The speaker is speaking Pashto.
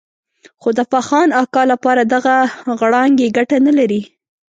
خو د فخان اکا لپاره دغه غړانګې ګټه نه لري.